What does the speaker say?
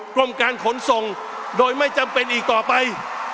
กรมการขนส่งโดยไม่จำเป็นอีกต่อไป